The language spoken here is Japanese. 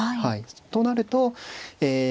となるとえ